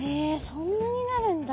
そんなになるんだ。